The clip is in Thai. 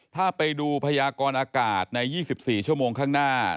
ถ้าไปดูพยากรอากาศใน๒๔ชั่วโมงข้างหน้า